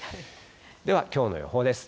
では、きょうの予報です。